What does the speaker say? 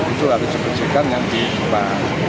itu harus diberikan yang diibah